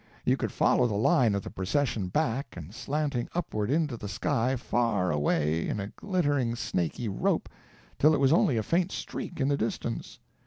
You could follow the line of the procession back, and slanting upward into the sky, far away in a glittering snaky rope, till it was only a faint streak in the distance.